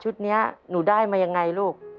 ฉุดเนี้ยหนูได้มายังไงรูป